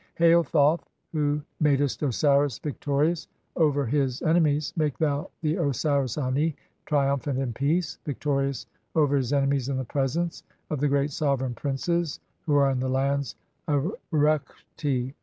"Hail, Thoth, who madest Osiris victorious over (3) his ene "mies, make thou the Osiris Ani, triumphant in peace, victorious "over his enemies in the presence of the great sovereign princes "who are in the lands of Rekhti